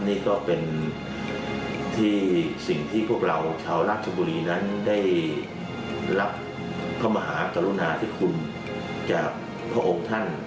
นี่ก็เป็นที่สิ่งที่พวกเราชาวราชบุรีนั้นได้รับพระมหากรุณาที่คุณจากพระองค์ท่าน